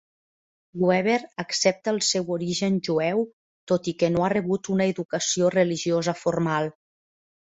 Weber accepta el seu origen jueu tot i que no ha rebut una educació religiosa formal.